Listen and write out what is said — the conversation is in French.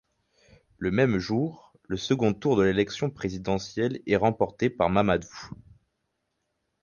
Le même jour, le second tour de l'élection présidentielle est remporté par Mamadou.